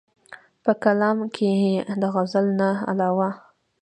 پۀ کلام کښې ئې د غزل نه علاوه